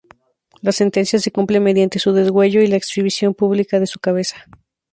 La sentencia se cumple mediante su degüello y la exhibición pública de su cabeza.